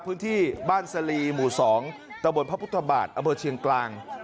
พื้นที่บ้านสลีหมู่๒ตะบนพระพุทธบาทอำเภอเชียงกลาง